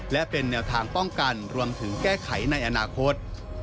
และเป็นแนวทางป้องกันรวมถึงแก้ไขในอนาคต